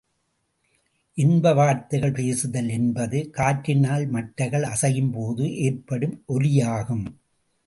இன்ப வார்த்தைகள் பேசுதல் என்பது, காற்றினால் மட்டைகள் அசையும்போது ஏற்படும் ஒலியாகும்.